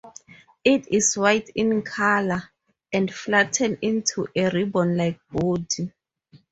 It is white in colour and flattened into a ribbon-like body.